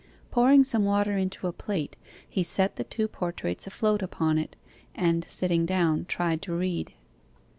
Pouring some water into a plate, he set the two portraits afloat upon it, and sitting down tried to read.